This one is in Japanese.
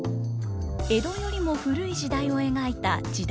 江戸よりも古い時代を描いた「時代物」。